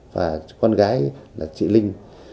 và con gái là chị linh